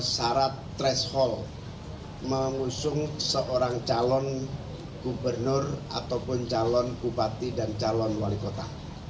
syarat threshold mengusung seorang calon gubernur ataupun calon bupati dan calon wali kota